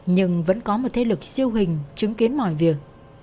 nhưng vẫn có một thế lực siêu hình chứng kiến mọi việc